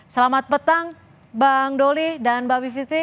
selamat petang bang doli dan mbak bivitri